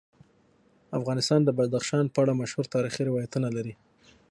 افغانستان د بدخشان په اړه مشهور تاریخی روایتونه لري.